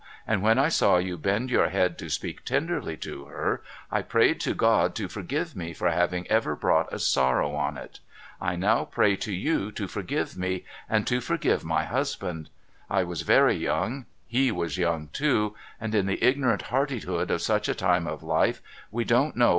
And when I saw you bend your head to speak tenderly to her, I prayed to God to forgive me for having ever brought a sorrow on it. I now pray to you to FORGIVENESS 445 forgive me, and to forgive my husband. I was very young, he was young too, and, in the ignorant hardihood of such a time of Ufe, we don't know v.'